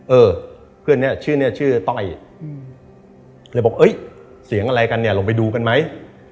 เออเพื่อนนี้ชื่อนี้ชื่อต้อยเลยบอกเอ้ยเสียงอะไรกันเนี่ยลงไปดูกันไหม